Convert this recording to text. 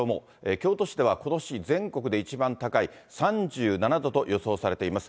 京都市ではことし全国で一番高い、３７度と予想されています。